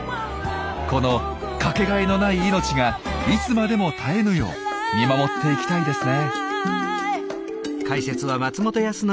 この掛けがえのない命がいつまでも絶えぬよう見守っていきたいですね。